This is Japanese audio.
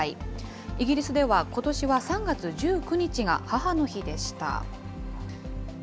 イギリスではことしは３月１９日が母の日でした。